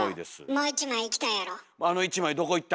もう１枚いきたいやろ？